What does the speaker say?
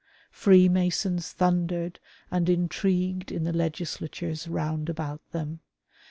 Freemasons thundered and intrigued in the legislatures round about them.